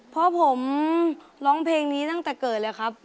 เพราะผมร้องเพลงนี้ตั้งแต่เกิดเลยครับ